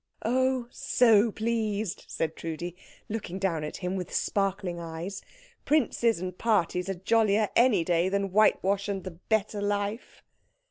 "Oh, so pleased!" said Trudi, looking down at him with sparkling eyes. "Princes and parties are jollier any day than whitewash and the better life."